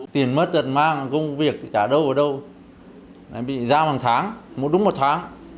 tiền mất đợt mang công việc trả đâu ở đâu bị giam hàng tháng đúng một tháng